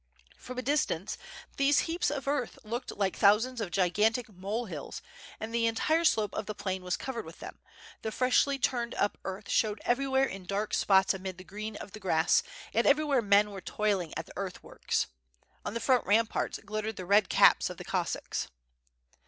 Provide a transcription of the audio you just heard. From a distance these heaps of earth looked like thousands of gigantic molehills, the en* tire slope of the plain was covered with them, the freshly turned up earth showed everywhere in dark spots amid the green of the grass, and everywhere men were toiling at the earthworks. On the front ramparts glittered the red caps of the Cossacks.